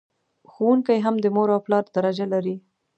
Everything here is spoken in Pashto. ښوونکي هم د مور او پلار درجه لر...